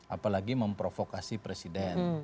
apalagi memprovokasi presiden